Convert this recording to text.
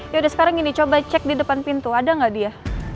yaudah sekarang ini coba cek di depan pintu ada nggak dia